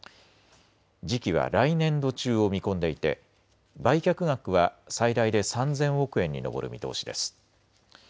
時期は来年度中を見込んでいて売却額は最大で３０００億円に上る見通しです。